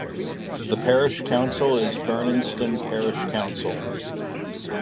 The parish council is Burniston Parish Council.